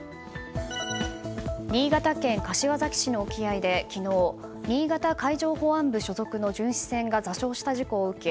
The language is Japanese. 新潟県柏崎市の沖合で昨日新潟海上保安部所属の巡視船が座礁した事故を受け